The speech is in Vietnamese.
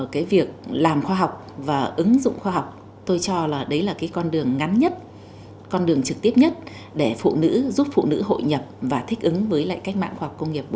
cái việc làm khoa học và ứng dụng khoa học tôi cho là đấy là cái con đường ngắn nhất con đường trực tiếp nhất để phụ nữ giúp phụ nữ hội nhập và thích ứng với lại cách mạng khoa học công nghiệp bốn